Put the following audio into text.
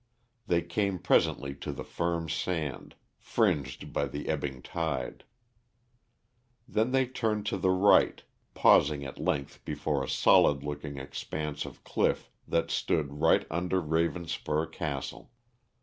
They came presently to the firm sand, fringed by the ebbing tide. Then they turned to the right, pausing at length before a solid looking expanse of cliff that stood right under Ravenspur Castle.